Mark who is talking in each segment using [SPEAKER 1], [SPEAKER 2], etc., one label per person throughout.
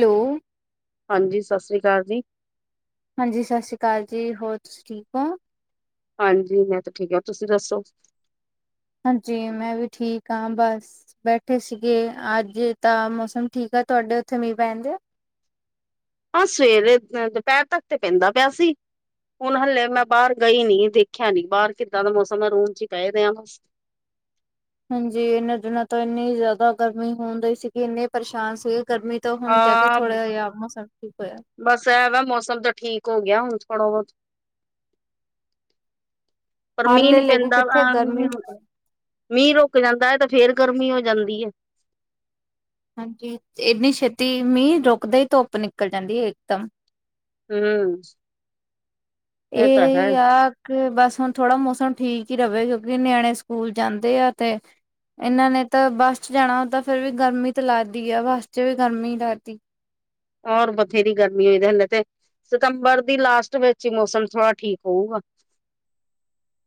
[SPEAKER 1] Hello.
[SPEAKER 2] ਹਾਂਜੀ, ਸਤਿ ਸ਼੍ਰੀ ਅਕਾਲ ਜੀ।
[SPEAKER 1] ਹਾਂਜੀ, ਸਤਿ ਸ਼੍ਰੀ ਅਕਾਲ ਜੀ, ਹੋਰ ਤੁਸੀਂ ਠੀਕ ਹੋ?
[SPEAKER 2] ਹਾਂਜੀ, ਮੈਂ ਤਾਂ ਠੀਕ ਆ, ਤੁਸੀਂ ਦੱਸੋ?
[SPEAKER 1] ਹਾਂਜੀ, ਮੈਂ ਵੀ ਠੀਕ ਹਾਂ। ਬਸ ਬੈਠੇ ਸੀਗੇ, ਅੱਜ ਤਾਂ ਮੌਸਮ ਠੀਕ ਆ, ਤੁਹਾਡੇ ਉੱਥੇ ਮੀਂਹ ਪੈਣਦੇ ਆ?
[SPEAKER 2] ਆਹ ਸਵੇਰੇ, ਦੁਪਹਿਰ ਤੱਕ ਤੇ ਪੈਂਦਾ ਪਿਆ ਸੀ ਹੁਣ ਹਲੇ ਮੈਂ ਬਾਹਰ ਗਈ ਨੀ, ਦੇਖਿਆ ਨੀ, ਬਾਹਰ ਕਿੱਦਾਂ ਦਾ ਮੌਸਮ ਹੈ ਰੂਮ 'ਚ ਹੀ ਪੈਦੇ ਆ ਬ
[SPEAKER 1] ਹਾਂਜੀ, ਇਹਨਾਂ ਦਿਨਾਂ ਤੋਂ ਇੰਨੀ ਜ਼ਿਆਦਾ ਗਰਮੀ ਹੋਣਈ ਸੀਗੀ, ਇੰਨੇ ਪਰੇਸ਼ਾਨ ਸੀਗੇ ਗਰਮੀ ਤੇ ਹੁਣ ਜਾ ਕੇ
[SPEAKER 2] ਹਾਂ,
[SPEAKER 1] ਥੋੜਾ ਜਿਹਾ, ਮੌਸਮ ਠੀਕ ਹੋਇਆ।
[SPEAKER 2] ਬਸ ਇਹ ਵਾ ਮੌਸਮ ਤਾਂ ਠੀਕ ਹੋ ਗਿਆ, ਹੁਣ ਥੋੜਾ ਬਹੁਤ ਪਰ ਮੀਂਹ
[SPEAKER 1] ਹਾਲੇ
[SPEAKER 2] ਨੀ
[SPEAKER 1] ਲੈ ਕੇ
[SPEAKER 2] ਪੈਂਦਾ,
[SPEAKER 1] ਕਿੱਥੇ, ਗਰਮੀ ਹੋ
[SPEAKER 2] ਅ
[SPEAKER 1] ਗਈ
[SPEAKER 2] ਮੀਂਹ ਰੁਕ ਜਾਂਦਾ ਹੈ, ਤੇ ਫੇਰ ਗਰਮੀ ਹੋ ਜਾਂਦੀ ਹੈ।
[SPEAKER 1] ਹਾਂਜੀ, ਇਏਨੀ ਛੇਤੀ ਮੀਂਹ ਰੁਕਦਾ ਹੀ, ਧੁੱਪ ਨਿਕਲ ਜਾਂਦੀ ਹੈ ਇਕਦਮ
[SPEAKER 2] ਹਮ।
[SPEAKER 1] ਇਹਹੀ ਆ ਤੇ ਬਸ ਹੁਣ ਥੋੜਾ ਮੌਸਮ ਠੀਕ ਹੀ ਰਹੇ, ਕਿਉਂਕਿ ਨਿਆਣੇ ਸਕੂਲ ਜਾਂਦੇ ਆ ਤੇ ਇਹਨਾਂ ਨੇ ਤਾਂ ਬੱਸ 'ਚ ਜਾਣਾ ਹੋ, ਤਾਂ ਫੇਿਰ ਵੀ ਗਰਮੀ ਤੇ ਲਾਦੀ ਆ ਬੱਸ 'ਚ ਵੀ ਗਰਮੀ ਲਾਦੀ
[SPEAKER 2] ਹੋਰ ਬਥੇਰੀ ਗਰਮੀ ਹੋਈ ਦੀ, ਤੇ ਸਤੰਬਰ ਦੀ ਲਾਸਟ ਵਿੱਚ ਹੀ, ਮੌਸਮ ਥੋੜਾ ਠੀਕ ਹੋਊਗਾ।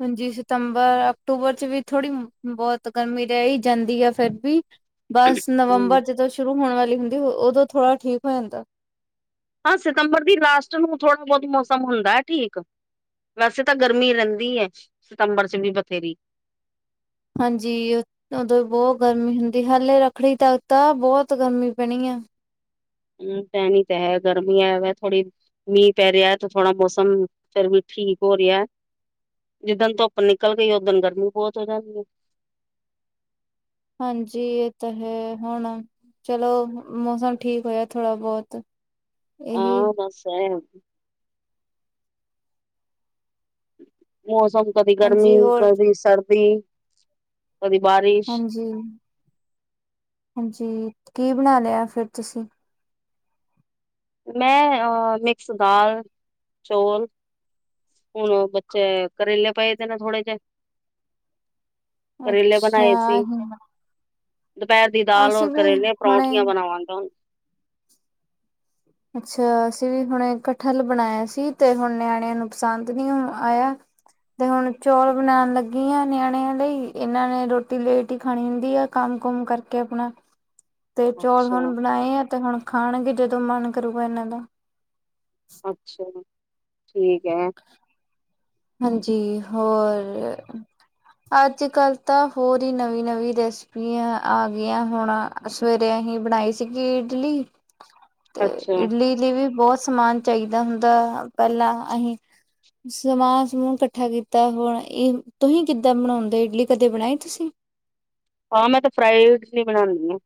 [SPEAKER 1] ਹਜੀ ਸਤੰਬਰ, ਅਕਤੂਬਰ 'ਚ ਵੀ ਥੋੜੀ ਬਹੁਤ ਗਰਮੀ ਰਹਿਹੀ ਜਾਂਦੀ ਆ, ਫਿਰ ਵੀ ਬਸ ਨਵੰਬਰ
[SPEAKER 2] ਹੂੰ,
[SPEAKER 1] ਜਦੋਂ ਸ਼ੁਰੂ ਹੋਣ ਵਾਲੀ ਹੁੰਦੀ, ਉਦੋਂ ਥੋੜਾ ਠੀਕ ਹੋ ਜਾਂਦਾ।
[SPEAKER 2] ਹਾਂ ਸਤੰਬਰ ਦੀ ਲਾਸਟ ਨੂੰ, ਥੋੜ੍ਹਾ ਬਹੁਤ ਮੌਸਮ ਹੁੰਦਾ ਹੈ ਠੀਕ ਵੈਸੇ ਤਾਂ ਗਰਮੀ ਰਹਿੰਦੀ ਹੈ, ਸਤੰਬਰ 'ਚ ਵੀ ਬਥੇਰੀ
[SPEAKER 1] ਹਾਂਜੀ। ਉਦੋਂ ਵੀ ਬਹੁਤ ਗਰਮੀ ਹੁੰਦੀ, ਹਾਲੇ ਰੱਖੜੀ ਤੱਕ ਤਾਂ ਬਹੁਤ ਗਰਮੀ ਪੈਣੀ ਆ
[SPEAKER 2] ਹਮ, ਪੈ ਨੀ ਤਾਂ ਹੈ ਗਰਮੀ ਹੈ, ਵ ਥੋੜੀ ਮੀਂਹ ਪੈ ਰਿਹਾ ਤੇ ਥੋੜਾ ਮੌਸਮ, ਫਿਰ ਵੀ ਠੀਕ ਹੋ ਰਿਹਾ। ਜਿੱਦਣ ਧੁੱਪ ਨਿਕਲ ਗਈ, ਓਦਣ ਗਰਮੀ ਬਹੁਤ ਹੋ ਜਾਂਦੀ ਹੈ।
[SPEAKER 1] ਹਾਂਜੀ ਇਹ ਤਾਂ ਹੈ, ਹੁਣ ਚਲੋ, ਮੌਸਮ ਠੀਕ ਹੋਇਆ ਥੋੜਾ ਬਹੁਤ।
[SPEAKER 2] ਆ,
[SPEAKER 1] ਇਹੀ
[SPEAKER 2] ਦਸਿਆ ਇਨੂ ਮੌਸਮ ਕਦੀ ਗਰਮੀ,
[SPEAKER 1] ਹਾਂਜੀ ਹੋਰ
[SPEAKER 2] ਕਦੀ ਸਰਦੀ, ਕਦੀ ਬਾਰਿਸ਼।
[SPEAKER 1] ਜੀ। ਹਾਂਜੀ, ਕੀ ਬਣਾ ਲਿਆ ਫਿਰ ਤੁਸੀਂ?
[SPEAKER 2] ਮੈਂ ਅ, ਮਿਕਸ ਦਾਲ, ਚੋਲ ਹੁਣ ਬੱਚੇ, ਕਰੇਲੇ ਪਏਦੇ ਨੇ ਥੋੜੇ ਜਿਹੇ ਕਰੇਲੇ ਬਣਾਇ ਸੀ।
[SPEAKER 1] ਅੱਛਾ
[SPEAKER 2] ਦੁਪਹਿਰ ਦੀ ਦਾਲ
[SPEAKER 1] ਅਸੀਂ
[SPEAKER 2] ਔਰ
[SPEAKER 1] ਵੀ
[SPEAKER 2] ਕਰੇਲੇ,
[SPEAKER 1] ਹੁਣੇ
[SPEAKER 2] ਪਰੌਂਠੀਆਂ ਬਣਾਵਾਂਗਾ ਹਣ।
[SPEAKER 1] ਅੱਛਾ, ਅਸੀਂ ਵੀ ਹੁਣ ਕਠਲ ਬਣਾਇਆ ਸੀ, ਤੇ ਹੁਣ ਨਿਆਣਿਆਂ ਨੂੰੁ ਪਸੰਦ ਨੀ ਆਇਆ। ਤੇ ਹੁਣ ਚੌਲ ਬਣਾਉਣ ਲੱਗੀ ਆ, ਨਿਆਣਿਆਂ ਲਈ, ਇਹਨਾਂ ਨੇ ਰੋਟੀ ਲੇਟ ਹੀ ਖਾਣੀ ਹੁੰਦੀ ਆ। ਕੰਮ ਕੁਮ ਕਰਕੇ, ਆਪਣਾ ਤੇ ਚੌਲ
[SPEAKER 2] ਅੱਛਾ
[SPEAKER 1] ਹੁਣ ਬਣਾਏ ਆ, ਤੇ ਹੁਣ ਖਾਣਗੇ ਜਦੋਂ ਮਨ ਕਰੂਗਾ ਇਹਨਾਂ ਦਾ।
[SPEAKER 2] ਅੱਛਾ ਜੀ, ਠੀਕ ਏ।
[SPEAKER 1] ਹਾਂਜੀ ਹੋਰ ਅੱਜ ਕੱਲ੍ਹ ਤਾਂ ਹੋਰ ਹੀ, ਨਵੀਂ ਨਵੀਂ ਰੈਸਪੀਆਂ ਆ ਗਈਆਂ ਹੁਣਾ ਸਵੇਰੇ ਅਸੀਂ ਬਣਾਈ ਸੀਗੀ ਇਡਲੀ, ਤੇ
[SPEAKER 2] ਅੱਛਾ
[SPEAKER 1] ਇਡਲੀ ਲਈ ਵੀ ਬਹੁਤ ਸਮਾਨ ਚਾਹੀਦਾ ਹੁੰਦਾ ਪਹਿਲਾਂ ਅਸੀਂ, ਸਮਾਨ ਨੂੰ ਇਕੱਠਾ ਕੀਤਾ, ਹੁਣ ਇਹ ਤੁਸੀਂ ਕਿੱਦਾਂ ਬਣਾਉਦੇ ਇਡਲੀ ਕਦੇ ਬਣਾਈ ਤੁਸੀਂ?
[SPEAKER 2] ਆਾਂ ਮੈਂ ਤੇ ਫਰਾਈਲ ਚ ਬਣਾਉਂਦੀ ਹਾਂ।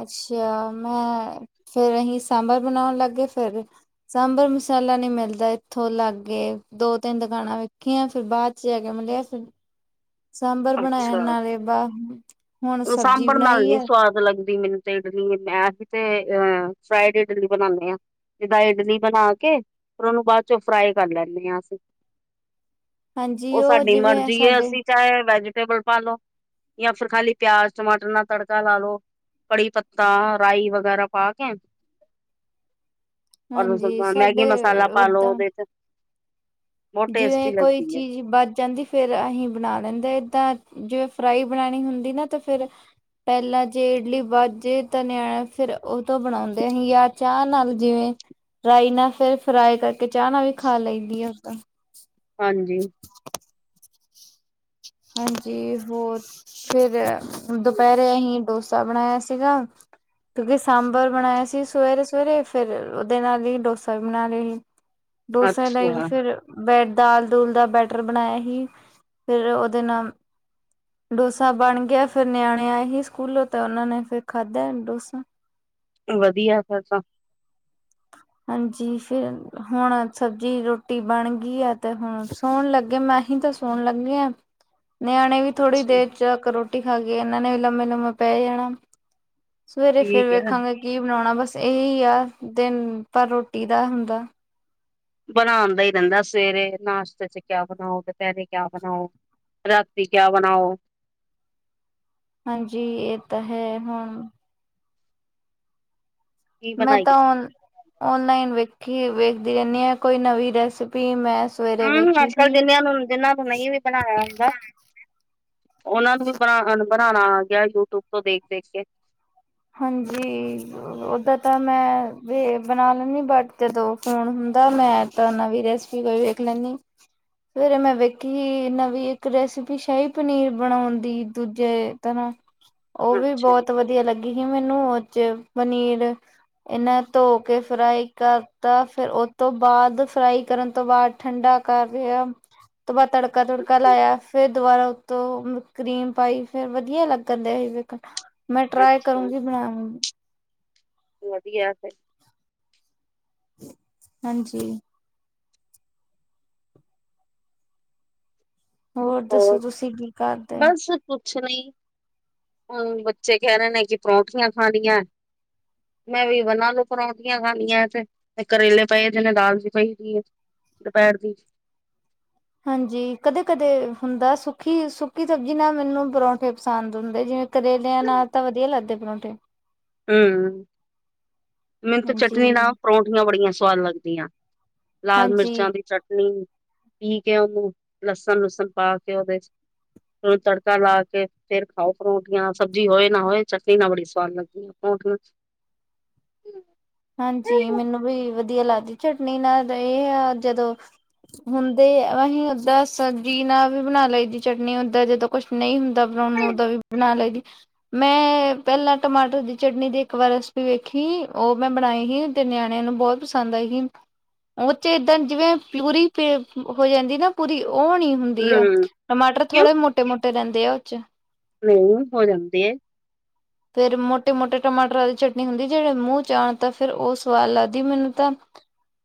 [SPEAKER 1] ਅੱਛਾ ਮੈਂ ਫਿਰ ਅਸੀਂ ਸਾਂਬਰ ਬਣਾਉਣ ਲੱਗ ਗਏ, ਫਿਰ ਸਾਂਬਰ ਮਸਾਲਾ ਨੀ ਮਿਲਦਾ ਇੱਥੋਂ ਲਾਗੇ, ਦੋ ਤਿੰਨ ਦੁਕਾਨਾਂ ਵੇਖੀਆਂ ਫਿਰ ਬਾਅਦ ਚ ਜਾ ਕੇ ਮਿਲਿਆ ਸੀ। ਸਾਂਬਰ ਬਣਾਇਆ
[SPEAKER 2] ਅੱਛਾ।
[SPEAKER 1] ਨਾਲੇ ਬਹ, ਹੁਣ ਸਬਜ਼ੀ
[SPEAKER 2] ਸਾਂਬਰ ਨਾਲ
[SPEAKER 1] ਬਣਾਈ
[SPEAKER 2] ਨੀ
[SPEAKER 1] ਆ।
[SPEAKER 2] ਸਵਾਦ ਲੱਗਦੀ ਮੈਨੂੰ ਤੇ ਇਡਲੀ ਮੈਂ ਹੀ, ਤੇ ਅਹ ਫਰਾਈਡ ਇਡਲੀ ਬਨਾਨੇ ਆਂ। ਜਿਦਾ ਇਡਲੀ ਬਣਾ ਕੇ ਫਿਰ ਉਹਨੂੰ ਬਾਅਦ ਚੋਂ ਫਰਾਈ ਕਰ ਲੈਨੇ ਆਂ ਅਸੀਂ
[SPEAKER 1] ਹਾਂਜੀ ਉਹ,
[SPEAKER 2] ਸਾਡੀ
[SPEAKER 1] ਜਿਵੇਂ ਆਂ
[SPEAKER 2] ਮਰਜ਼ੀ ਹੈ
[SPEAKER 1] ਸਾਡੇ
[SPEAKER 2] ਅਸੀਂ ਚਾਹੇ ਵੈਜੀਟੇਬਲ ਪਾ ਲੋ, ਜਾਂ ਫਿਰ ਖਾਲੀ ਪਿਆਜ ਟਮਾਟਰ ਨਾਲ ਤੜਕਾ ਲਾ ਲੋ। ਕੜੀ ਪੱਤਾ, ਰਾਈ ਵਗੈਰਾ ਪਾ ਕੇ ਔਰ
[SPEAKER 1] ਹਾਂਜੀ
[SPEAKER 2] ਮੈਗੀ
[SPEAKER 1] ਸਾਡੇ
[SPEAKER 2] ਮਸਾਲਾ
[SPEAKER 1] ਅ
[SPEAKER 2] ਪਾ ਲੋ
[SPEAKER 1] ਓਦਾਂ
[SPEAKER 2] ਉਹਦੇ ਚ ਬਹੁਤ
[SPEAKER 1] ਜਿਵੇਂ,
[SPEAKER 2] ਟੇਸਟੀ
[SPEAKER 1] ਕੋਈ
[SPEAKER 2] ਲੱਗਦੀ ਹੈ।
[SPEAKER 1] ਚੀਜ਼ ਬਚ ਜਾਂਦੀ- ਫੇਰ ਅਸੀਂ ਬਣਾ ਲੈਂਦੇ, ਏਦਾਂ ਜਿਵੇਂ ਫਰਾਈ ਬਣਾਉਣੀ ਹੁੰਦੀ ਨਾ ਤੇ ਫਿਰ ਪਹਿਲਾਂ ਜੇ ਇਡਲੀ ਵਚ ਜੇ ਨਿਆਣਿਆ, ਫਿਰ ਉਹ ਤੋਂ ਬਣਾਉਂਦੇ ਸੀ। ਜਾਂ ਚਾਹ ਨਾਲ ਜਿਵੇਂ, ਰਾਈ ਨਾਲ ਫਿਰ ਫਰਾਈ ਕਰਕੇ ਚਾਹ ਨਾਲ ਵੀ ਖਾ ਲਈ ਦੀ ਆ
[SPEAKER 2] ਹਾਂਜੀ
[SPEAKER 1] ਹਾਂਜੀ, ਹੋਰ ਫਿਰ, ਦੁਪਹਿਰੇ ਅਸੀਂ ਡੋਸਾ ਬਣਾਇਆ ਸੀਗਾ। ਕਿਉਂਕਿ ਸਾਂਬਰ ਬਣਾਇਆ ਸੀ, ਸਵੇਰੇ ਸਵੇਰੇ ਫਿਰ, ਉਹਦੇ ਨਾਲ ਹੀ ਡੋਸਾ ਵੀ ਬਣਾ ਲਿਆ ਸੀ। [inaudible] ਡੋਸਾ ਲਈ
[SPEAKER 2] ਅੱਛਾ
[SPEAKER 1] ਫਿਰ, ਬੈਡ ਦਾਲ ਦੂਲ ਦਾ ਬੈਟਰ ਬਣਾਇਆ ਸੀ। ਫਿਰ ਉਹਦੇ ਨਾਲ ਡੋਸਾ ਬਣ ਗਿਆ ਫੇਰ ਨਿਆਣੇ ਆਏ ਸੀ, ਸਕੂਲੋਂ ਤਾਂ ਉਹਨਾਂ ਨੇ ਫਿਰ ਖਾਧਾ ਡੋਸਾ।
[SPEAKER 2] ਵਧੀਆ ਫਿਰ ਤਾ।
[SPEAKER 1] ਹਾਂਜੀ, ਫਿਰ ਹੁਣ ਸਬਜ਼ੀ ਰੋਟੀ ਬਣ ਗਈ ਆ ਤੇ ਹੁਣ ਸੋਣ ਲੱਗੇ ਮੈਂ ਹੀ ਤਾਂ ਸੋਣ ਲੱਗੇ ਆਂ। ਨਿਆਣੇ ਵੀ ਥੋੜ੍ਹੀ
[SPEAKER 2] ਅੱਛਾ
[SPEAKER 1] ਦੇਰ ਚ, ਰੋਟੀ ਖਾ ਕੇ ਇਹਨਾਂ ਨੇ ਵੀ ਲੰਮੇ ਲੋਮੇ ਪੈ ਜਾਣਾ। ਸਵੇਰੇ ਫੇਰ
[SPEAKER 2] ਠੀਕ ਹੈ।
[SPEAKER 1] ਵੇਖਾਂਗੇ, ਕੀ ਬਣਾਉਣਾ ਬਸ ਇਹੀ ਆ ਦਿਨ ਭਰ ਰੋਟੀ ਦਾ ਹੁੰਦਾ।
[SPEAKER 2] ਬਣਾਣ ਦਾ ਹੀ ਰਿੰਦਾ ਸਵੇਰੇ ਨਾਸ਼ਤੇ ਚ ਕਿਆ ਬਣਾਓ ਦੁਪਹਿਰੇ ਕਿਆ ਬਣਾਓ ਰਾਤੀ ਕਿਆ ਬਣਾਓ
[SPEAKER 1] ਹਾਂਜੀ ਇਹ ਤਾਂ ਹੈ ਹੁਣ
[SPEAKER 2] ਕੀ
[SPEAKER 1] ਮੈਂ
[SPEAKER 2] ਬਣਾਈਏ
[SPEAKER 1] ਤਾਂ ਓਨਲਾਈਨ ਵੇਖੀ ਵੇਖਦੀ ਰਹਿੰਦੀ ਆ ਕੋਈ ਨਵੀਂ ਰੈਸਪੀ ਮੈਂ ਸਵੇਰੇ
[SPEAKER 2] ਹੂੰ
[SPEAKER 1] ਵੇਖੀ
[SPEAKER 2] ਅੱਜ ਕੱਲ
[SPEAKER 1] ਹੀ
[SPEAKER 2] ਜਿੰਨੀਆਂ ਨੂੰ ਜਿੰਨਾ ਤੋਂ ਨਹੀਂ ਵੀ ਬਣਾਇਆ ਹੁੰਦਾ ਉਹਨਾਂ ਨੂੰ ਵੀ ਬਣਾ ਬਣਾਉਣਾ ਆ ਗਿਆ ਯੂਟਿਊਬ ਤੋਂ ਦੇਖ ਦੇਖ ਕੇ
[SPEAKER 1] ਹਾਂਜੀ ਉਦਾ ਤਾਂ ਮੈਂ ਵੀ ਬਣਾ ਲੈਂਦੀ ਬਟ ਜਦੋਂ ਫੋਨ ਹੁੰਦਾ ਮੈਂ ਤਾਂ ਨਵੀ ਰੈਸਪੀ ਕੋਈ ਵੇਖ ਲੈਂਨੀ, ਸਵੇਰੇ ਮੈਂ ਵੇਖੀ ਨਵੀਂ ਇੱਕ ਰੈਸਿਪੀ ਸ਼ਾਹੀ ਪਨੀਰ ਬਣਾਉਣ ਦੀ ਦੂਜੇ ਤਰ੍ਹਾਂ ਉਹ ਵੀ
[SPEAKER 2] ਅੱਛਾ
[SPEAKER 1] ਬਹੁਤ ਵਧੀਆ ਲੱਗੀ ਕਿ ਮੈਨੂੰ ਉਹ ਚ ਪਨੀਰ ਇਹਨਾਂ ਧੋ ਕੇ ਫਰਾਈ ਕਰਤਾ, ਫਿਰ ਉਹ ਤੋਂ ਬਾਅਦ ਫਰਾਈ ਕਰਨ ਤੋਂ ਬਾਅਦ ਠੰਡਾ ਕਰ ਰਿਹਾ, ਤੋਂ ਬਾਅਦ ਤੜਕਾ -ਤੜਕਾ
[SPEAKER 2] ਅੱਛਾ
[SPEAKER 1] ਲਾਇਆ ਫੇਰ ਦੁਬਾਰਾ ਤੋਂ ਕਰੀਮ ਪਾਈ, ਫੇਰ ਵਧੀਆ ਲੱਗਣ ਡ ਸੀ ਵੇਖਣ, ਮੈਂ ਟਰਾਈ
[SPEAKER 2] ਅੱਛਾ
[SPEAKER 1] ਬਣਾ।
[SPEAKER 2] ਵਧੀਆ ਫੇਰ
[SPEAKER 1] ਹਾਂਜੀ। ਹੋਰ ਦੱਸੋ ਤੁਸੀਂ ਕੀ ਕਰਦੇ ਹੋ?
[SPEAKER 2] ਬਸ ਕੁਛ ਨਹੀਂ, ਹੁਣ ਬੱਚੇ ਕਹਿ ਰਹੇ ਨੇ ਕਿ ਪਰੌਠੀਆਂ ਖਾਣੀਆਂ। ਮੈਂ ਵੀ ਵਨਾਂ ਨੂੰ ਪਰਾਉਂਦੀਆਂ ਖਾਣੀਆਂ ਤੇ ਕਰੇਲੇ ਪਏ ਦੇ ਨੇ ਦਾਲ ਵੀ ਪਈ ਦੀ ਏ। ਦੁਪਹਿਰ ਦੀ
[SPEAKER 1] ਹਾਂਜੀ। ਕਦੇ- ਕਦੇ ਹੁੰਦਾ ਸੁੱਕੀ- ਸੁੱਕੀ ਸਬਜ਼ੀ ਨਾ ਮੈਨੂੰ ਪਰੌਂਠੇ ਪਸੰਦ ਹੁੰਦੇ। ਜਿਵੇਂ ਕਰੇਲਿਆਂ ਨਾਲ ਤਾਂ ਵਧੀਆ ਲੱਗਦੇ ਪਰੌਂਠੇ।
[SPEAKER 2] ਹੂ, ਮੈਨੂੰ ਤਾਂ
[SPEAKER 1] ਹਾਂਜੀ,
[SPEAKER 2] ਚਟਨੀ ਨਾਲ ਪਰੌਂਠੀਆਂ ਬੜੀਆਂ ਸਵਾਦ ਲੱਗਦੀਆਂ। ਲਾਲ
[SPEAKER 1] ਹਾਂਜੀ।
[SPEAKER 2] ਮਿਰਚਾਂ ਦੀ ਚਟਨੀ, ਪੀ ਕੇ ਉਹਨੂੰ ਲਸਣ- ਲੁਸਣ ਪਾ ਕੇ ਉਹਦੇ ਚ'। ਤੂੰ, ਤੜਕਾ ਲਾ ਕੇ ਫੇਰ ਖਾਓ ਪਰੋਠੀਆਂ, ਸਬਜ਼ੀ ਹੋਏ ਨਾ ਹੋਏ ਚਟਨੀ ਨਾ ਬੜੀ ਸਵਾਦ ਲੱਗੀਆਂ। ਓਕੇ,
[SPEAKER 1] ਹਾਂਜੀ, ਮੈਨੂੰ ਵੀ ਵਧੀਆ ਲੱਗਦੀ ਚਟਨੀ ਨਾਲ ਇਹ ਆ ਜਦੋਂ ਹੁੰਦੇ ਅਸੀਂ ਓਦਾਂ ਸਬਜ਼ੀ ਨਾਲ ਵੀ ਬਣਾ ਲਈ ਜ ਚਟਨੀ ਓਦਾਂ ਜਦੋਂ ਕੁਛ ਨਹੀਂ ਹੁੰਦਾ ਬਣਾਉਣ ਨੂੰ ਉਦਾਂ ਵੀ ਬਣਾ ਲੈਦੀ। ਮੈਂ ਪਹਿਲਾਂ ਟਮਾਟਰ ਦੀ ਚਟਨੀ ਦੀ ਇੱਕ ਵਾਰ ਰੈਸਪੀ ਵੇਖੀ ਉਹ ਮੈਂ ਬਣਾਈ ਸੀ ਤੇ ਨਿਆਣਿਆਂ ਨੂੰ ਬਹੁਤ ਪਸੰਦ ਆਈ ਸੀ। ਉਹ ਚ' ਏਦਾਂ ਜਿਵੇਂ ਪੂਰੀ ਪੇ ਹੋ ਜਾਂਦੀ ਨਾ ਪੂਰੀ ਉਹ ਨਹੀ। ਹੁੰਦੀ ਆ,
[SPEAKER 2] ਹੂੰ
[SPEAKER 1] ਟਮਾਟਰ
[SPEAKER 2] ਕਿਉਂ
[SPEAKER 1] ਥੋੜੇ ਮੋਟੇ- ਮੋਟੇ ਰਹਿੰਦੇ ਆ ਉਹ 'ਚ।
[SPEAKER 2] ਨਹੀਂ ਹੋ ਜਾਂਦੀ।
[SPEAKER 1] ਫੇਰ ਮੋਟੇ- ਮੋਟੇ ਟਮਾਟਰਾਂ ਦੀ ਚਟਨੀ ਹੁੰਦੀ ਜਿਹੜੇ ਮੂੰਹ ਜਾਣ ਤਾਂ ਫੇਰ ਉਹ ਸਵਾਦ ਲੱਗਦੀ ਮੈਨੂੰ ਤਾਂ,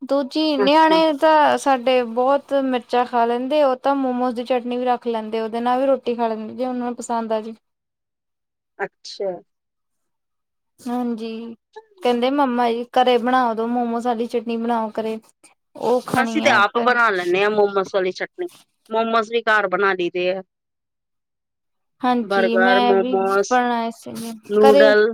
[SPEAKER 1] ਦੂਜੀ
[SPEAKER 2] ਅੱਛਾ
[SPEAKER 1] ਨਿਆਣੇ ਤਾਂ ਸਾਡੇ ਬਹੁਤ ਮਿਰਚਾਂ ਖਾ ਲੈਂਦੇ ਉਹ ਤਾਂ ਮੋਮੋਸ ਦੀ ਚਟਨੀ ਵੀ ਰੱਖ ਲੈਂਦੇ ਉਹਦੇ ਨਾਲ ਵੀ ਰੋਟੀ ਰੋਟੀ ਖਾ ਲਿੰਦੀ ਜੇ ਉਹਨਾਂ ਨੂੰ ਪਸਦ ਆ ਜੀ।
[SPEAKER 2] ਅੱਛਾ।
[SPEAKER 1] ਹਾਂਜੀ।
[SPEAKER 2] ਹਾਂਜੀ।
[SPEAKER 1] ਕਹਿੰਦੇ ਮੰਮਾ ਜੀ ਘਰੇ ਬਣਾ ਦੋ ਮੋਮੋਸ ਵਾਲੀ ਚਟਨੀ ਬਣਾਓ ਘਰੇ। ਉਹ
[SPEAKER 2] ਅਸੀਂ
[SPEAKER 1] ਖਾਣੀ
[SPEAKER 2] ਤੇ
[SPEAKER 1] ਆ
[SPEAKER 2] ਆਪ
[SPEAKER 1] ਫਿਰ
[SPEAKER 2] ਬਣਾ ਲੈਂਦੇ ਹਾਂ ਮੋਮੋਸ ਵਾਲੀ ਚਟਨੀ, ਮੋਮਸ ਵੀ ਘਰ ਬਣਾ ਲਈਦੇ ਆ।
[SPEAKER 1] ਹਾਂਜੀ
[SPEAKER 2] ਬਰਗਰ,
[SPEAKER 1] ਮੈਂ ਵੀ
[SPEAKER 2] ਮੋਮੋਸ,
[SPEAKER 1] ਬਣਾਏ ਸੀਗੇ ਘਰੇ
[SPEAKER 2] ਨੂਡਲ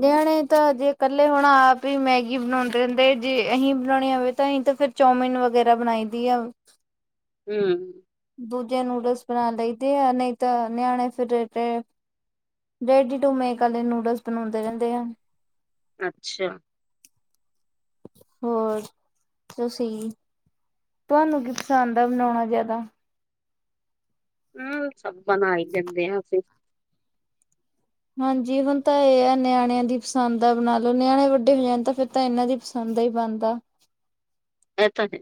[SPEAKER 1] ਨਿਆਣੇ ਤਾਂ ਜੇ ਇਕੱਲੇ ਹੁਣ ਆਪ ਹੀ ਮੈਗੀ ਬਣਾਉਂਦੇ ਰਹਿੰਦੇ ਜੇ ਅਸੀਂ ਬਣਾਉਣੀ ਹੋਵੇ ਤਾਂ ਅਸੀਂ ਤਾਂ ਫਿਰ ਚੌਮਨ ਵਗੈਰਾ ਬਣਾਈ ਦੀ ਆ।
[SPEAKER 2] ਹੂ
[SPEAKER 1] ਦੂਜੇ ਨੂਡਲਸ ਬਣਾ ਲਈ ਦੇ ਨਹੀਂ ਤਾਂ ਨਿਆਣੇ ਫਿਰ ਰੈਡੀ ਟੂ ਮੇਕ ਵਾਲੇ ਨੂਡਲਸ ਬਣਾਉਂਦੇ ਰਹਿੰਦੇ ਹੈ।
[SPEAKER 2] ਅੱਛਾ।
[SPEAKER 1] ਹੋਰ, ਤੁਸੀਂ, ਤੁਹਾਨੂੰ ਕੀ ਪਸੰਦ ਆ ਬਣਾਉਣਾ ਜਿਆਦਾ।
[SPEAKER 2] ਹੁ, ਸਭ ਬਣਾਈ ਦਿੰਦੇ ਆ ਅਸੀਂ।
[SPEAKER 1] ਹਾਂਜੀ ਹੁਣ ਤਾਂ ਇਹ ਆ ਨਿਆਣਿਆਂ ਦੀ ਪਸੰਦ ਦਾ ਬਣਾ ਲਓ ਨਿਆਣੇ ਵੱਡੇ ਹੋ ਜਾਣ ਤਾਂ ਫੇਰ ਤਾਂ ਇਹਨਾਂ ਦੀੰ ਬਣਦਾ ਹੀ ਬਣਦਾ।
[SPEAKER 2] ਇਹ ਤਾਂ ਹੈ।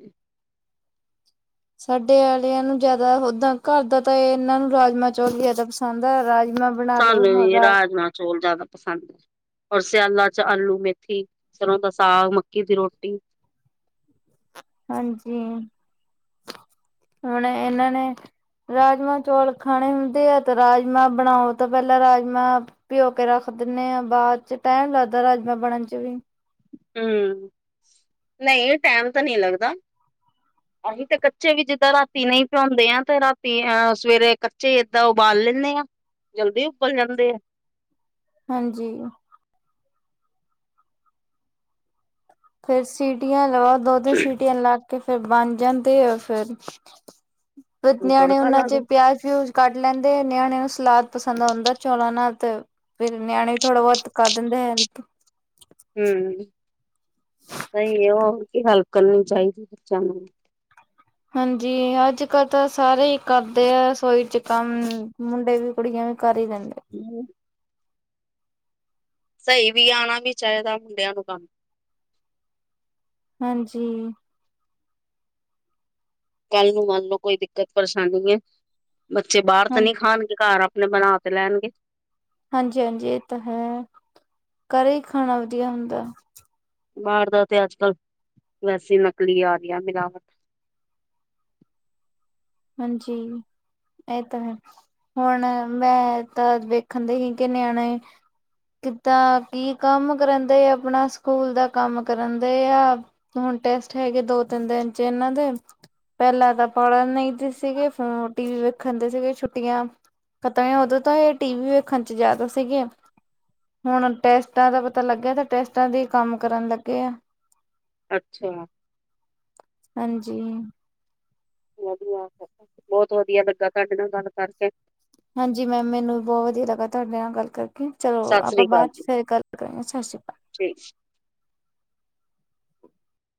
[SPEAKER 1] ਸਾਡੇ ਆਲਿਆਂ ਨੂੰ ਜ਼ਿਆਦਾ ਓਦਾਂ ਘਰ ਦਾ ਤਾਂ ਇਹਨਾਂ ਨੂੰ ਰਾਜਮਾਂ ਚੌਲ ਜ਼ਿਆਦਾ ਪਸੰਦ ਆ ਰਾਜਮਾਂ ਬਣਾ ਲੋ
[SPEAKER 2] ਸਾਨੂੰ ਵੀ ਰਾਜਮਾ ਚੋਲ ਜ਼ਿਆਦਾ ਪਸੰਦ ਆ, ਔਰ ਸਿਆਲਾ 'ਚ ਆਲੂ ਮੇਥੀ, ਸਰ੍ਹੋਂ ਦਾ ਸਾਗ, ਮੱਕੀ ਦੀ ਰੋਟੀ।
[SPEAKER 1] ਹਾਂਜੀ, ਹੁਣ ਇਹਨਾਂ ਨੇ ਰਾਜਮਾਂ ਚੌਲ ਖਾਣੇ ਹੁੰਦੇ ਆ ਤੇ ਰਾਜਮਾਂ ਬਣਾਓ ਤਾਂ ਪਹਿਲਾਂ ਰਾਜਮਾਂ ਪਿਓ ਕੇ ਰੱਖ ਦਿੰਨੇ ਆ ਬਾਅਦ 'ਚ ਟੈਮ ਲੱਗਦਾ ਰਾਜਮਾਂ ਬਣਨ 'ਚ ਵੀ।
[SPEAKER 2] ਹੂੰ, ਨਹੀਂ ਟੈਮ ਤਾਂ ਨਹੀਂ ਲੱਗਦਾ।
[SPEAKER 1] [inaudible]
[SPEAKER 2] ਅਸੀਂ ਤੇ ਕੱਚੇ ਵੀ ਜਿੱਦਾਂ ਰਾਤੀ ਨਹੀਂ ਭਿਉੰਦੇ ਆ ਤੇ ਰਾਤੀ ਅਹ ਸਵੇਰੇ ਕੱਚੇ ਏਦਾਂ ਉਬਾਲ ਲੈਂਨੇ ਆ। ਜਲਦੀ ਉਬਲ ਜਾਂਦੇ ਆ।
[SPEAKER 1] ਹਾਂਜੀ। ਫਿਰ ਸੀਟੀਆਂ ਲਵਾ ਦੋ-ਤਿੰਨ ਸੀਟੀਆਂ ਲ ਫੇਰ ਬਣ ਜਾਂਦੇ ਆ ਫਿਰ। ਫਿਰ
[SPEAKER 2] ਉਹਨੂੰ
[SPEAKER 1] ਨਿਆਂਨੇ ਨੇ
[SPEAKER 2] ਤੜਕਾ
[SPEAKER 1] ਉਹਨਾਂ
[SPEAKER 2] ਲਾ ਦੋ
[SPEAKER 1] 'ਚ ਪਿਆਜ ਫਿਊਜ ਕੱਢ ਲੈਂਦੇ ਨਿਆਣੇਆਂ ਨੂੰ ਸਲਾਦ ਪਸੰਦ ਆਉਂਦਾ ਚੋਲਾਂ ਨਾਲ ਤੇ। ਫਿਰ ਨਿਆਣੇ ਵੀ ਥੋੜਾ ਬਹੁਤ ਕਰ ਦਿੰਦੇ ਹੈਲਪ।
[SPEAKER 2] ਹੂੰ, ਸਹੀ ਏ ਉਹ ਕੀ ਹੈਲਪ ਕਰਨੀ ਚਾਹੀਦੀ ਹੈ ਬੱਚਿਆਂ ਨੂੰ।
[SPEAKER 1] ਹਾਂਜੀ ਅੱਜਕੱਲ੍ਹ ਤਾਂ ਸਾਰੇ ਹੀ ਕਰਦੇ ਆ ਰਸੋਈ 'ਚ ਕੰਮ ਮੁੰਡੇ ਵੀ ਕੁੜੀਆਂ ਵੀ ਕਰ ਹੀ ਲੈਂਦੇ।
[SPEAKER 2] [inaudible] ਸਹੀ ਵੀ ਆਣਾ ਵੀ ਚਾਹੀਦਾ ਮੁੰਡਿਆਂ ਨੂੰ ਕੰਮ।
[SPEAKER 1] ਹਾਂਜੀ।
[SPEAKER 2] ਕੱਲ ਨੂੰ ਮੰਨ ਲੋੋ ਕੋਈ ਦਿੱਕਤ ਪਰੇਸ਼ਾਨੀ ਏ, ਬੱਚੇ ਬਾਹਰ
[SPEAKER 1] ਹਾਂ
[SPEAKER 2] ਤਾਂ ਨਹੀਂ ਖਾਣਗੇ ਘਰ ਆਪਣੇ ਬਣਾ ਤਾਂ ਲੇਨਗੇ।
[SPEAKER 1] ਹਾਂਜੀ-ਹਾਂਜੀ ਇਹ ਤਾਂ ਹੈ ਘਰੇ ਹੀ ਖਾਣਾ ਵਧੀਆ ਹੁੰਦਾ।
[SPEAKER 2] ਬਾਹਰ ਦਾ ਤੇ ਅੱਜਕੱਲ, ਵੈਸੇ ਈ ਨਕਲੀ ਆ ਗਿਆ ਮਿਲਾਵਟ
[SPEAKER 1] ਹਾਂਜੀ। ਇਹ ਤਾਂ ਹੈ। ਹੁਣ ਮੈਂ ਤਾਂ ਵੇਖਣ ਦਈ ਸੀ ਕਿ ਨਿਆਣੇ ਕਿੱਦਾਂ ਕੀ ਕੰਮ ਕਰਨ ਦਏ ਆਪਣਾ ਸਕੂਲ ਦਾ ਕੰਮ ਕਰਨ ਦਏ ਆ। ਹੁਣ ਟੈਸਟ ਹੈਗੇ ਦੋ-ਤਿੰਨ ਦਿਨ 'ਚ ਇਹਨਾਂ ਦੇ ਪਹਿਲਾਂ ਤਾਂ ਪੜਨ ਨਹੀਂ ਸੀਗੇ ਫੋਨ ਟੀ ਵੀ ਵੇਖਣ ਦੇ ਸੀਗੇ ਛੁੱਟੀਆਂ, ਖਤਮ ਉਦੋਂ ਤਾਂ ਇਹ ਟੀ ਵੀ ਵੇਖਣ 'ਚ ਜ਼ਿਆਦਾ ਸੀਗੇ। ਹੁਣ ਟੈਸਟਾਂ ਦਾ ਪਤਾ ਲੱਗਿਆ ਤਾਂ ਟੈਸਟਾਂ ਦੇ ਕੰਮ ਕਰਨ ਲੱਗੇ ਆ।
[SPEAKER 2] ਅੱਛਾ।
[SPEAKER 1] ਹਾਂਜੀ।
[SPEAKER 2] ਵਧੀਆ, ਬਹੁਤ ਵਧੀਆ ਲੱਗਾ ਤੁਹਾਡੇ ਨਾਲ ਗੱਲ ਕਰਕੇ।
[SPEAKER 1] ਹਾਂਜੀ ਮੈਮ ਮੈਨੂੰ ਵੀ ਬਹੁਤ ਵਧੀਆ ਲੱਗਾ ਤੁਹਾਡੇ ਨਾਲ ਗੱਲ ਕਰਕੇ। ਚਲੋ
[SPEAKER 2] ਸਤਿ
[SPEAKER 1] ਆਪਾਂ
[SPEAKER 2] ਸ੍ਰੀ ਅਕਾਲ
[SPEAKER 1] ਬਾਅਦ 'ਚ
[SPEAKER 2] ਜੀ
[SPEAKER 1] ਫਿਰ ਗੱਲ ਕਰਾਂਗੇ ਸਤਿ ਸ਼੍ਰੀ ਅਕਾਲ।
[SPEAKER 2] ਠੀਕ।